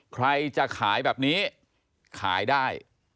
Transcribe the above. ใครจะขายแบบนี้ขายได้